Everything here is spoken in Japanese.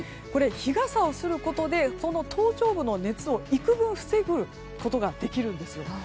日傘をすることで頭頂部の熱を幾分防ぐことができるんですよ。